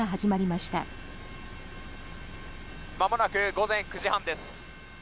まもなく午前９時半です。